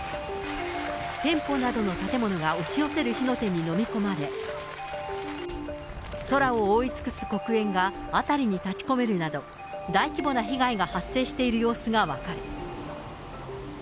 店舗などの建物が押し寄せる火の手に飲み込まれ、空を覆い尽くす黒煙が辺りに立ち込めるなど、大規模な被害が発生している様子が分かる。